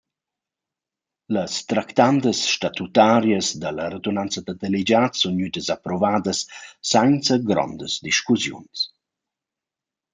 Las tractandas statutarias da la radunanza da delegats sun gnüdas approvadas sainza grondas discussiuns.